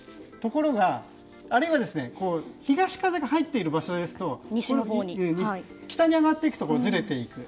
あるいは東風が入っている場所ですと北に上がっていくとずれていく。